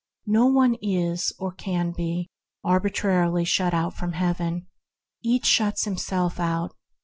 No one is, or can be, arbitrarily shut out from Heaven; each shuts himself out.